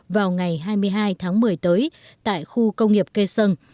vào ngày hai mươi hai tháng một mươi tới tại khu công nghiệp kê sơn